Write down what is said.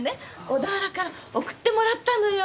小田原から送ってもらったのよ。